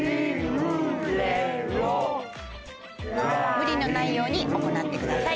無理のないように行ってください。